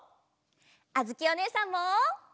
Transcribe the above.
あづきおねえさんも！